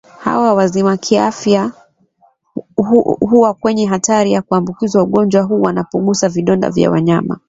hawa wazima kiafya huwa kwenye hatari ya kuambukizwa ugonjwa huu wanapogusa vidonda vya wanyama